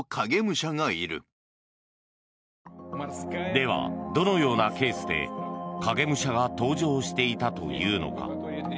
では、どのようなケースで影武者が登場していたというのか。